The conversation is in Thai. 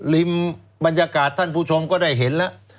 บรรยากาศท่านผู้ชมก็ได้เห็นแล้ว